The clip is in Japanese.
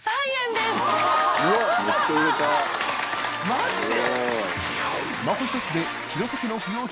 マジで？